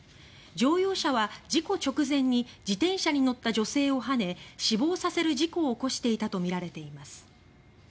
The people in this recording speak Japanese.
乗用車は事故直前に自転車に乗った女性をはね死亡させる事故を起こしていたとみられています。